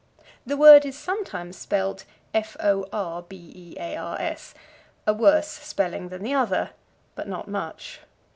The word is sometimes spelled forbears, a worse spelling than the other, but not much.